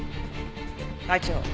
隊長